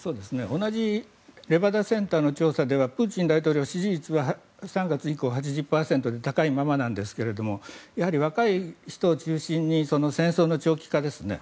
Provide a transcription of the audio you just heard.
同じレバダ・センターの調査ではプーチン大統領の支持率は３月以降８０％で高いままなんですが若い人を中心に戦争の長期化ですね